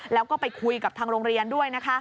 แล้วก็ไปคุยกับทางโรงเรียนด้วยนะคะ